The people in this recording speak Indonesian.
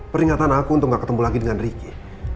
peringatan aku untuk gak ketemu lagi dengan ricky